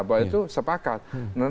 bahwa itu sepakat